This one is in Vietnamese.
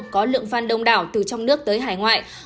có lượng phan đông đảo từ trong nước tới hải ngoại